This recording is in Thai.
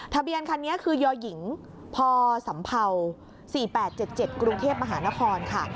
ทะเบียนคันนี้คือยหญิงพศ๔๘๗๗กรุงเทพมหานครค่ะ